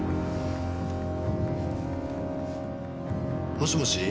もしもし？